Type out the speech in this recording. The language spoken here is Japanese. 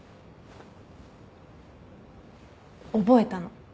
覚えたの。